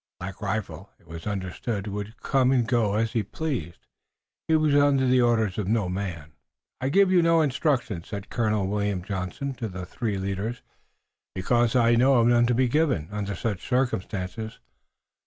Black Rifle, it was understood, would go and come as he pleased. He was under the orders of no man. "I give you no instructions," said Colonel William Johnson to the three leaders, "because I know of none to be given under such circumstances.